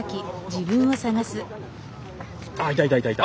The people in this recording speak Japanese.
ああいたいたいたいた。